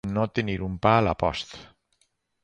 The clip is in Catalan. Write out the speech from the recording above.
No tenir un pa a la post.